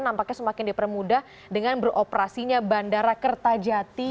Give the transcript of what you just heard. nampaknya semakin dipermudah dengan beroperasinya bandara kertajati